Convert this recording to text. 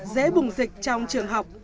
dễ bùng dịch trong trường học